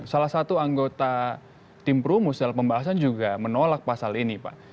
salah satu anggota tim perumus dalam pembahasan juga menolak pasal ini pak